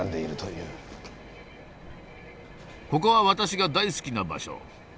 ここは私が大好きな場所。